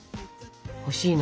欲しいな。